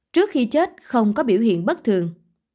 trước khi chết không có biểu hiện bất thường